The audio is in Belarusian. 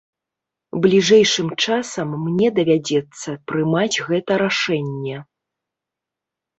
Бліжэйшым часам мне давядзецца прымаць гэта рашэнне.